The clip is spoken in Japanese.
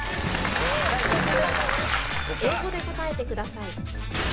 ［英語で答えてください］